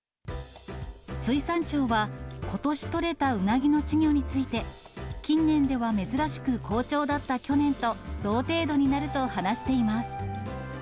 水産庁は、ことし取れたうなぎの稚魚について、近年では珍しく好調だった去年と同程度になると話しています。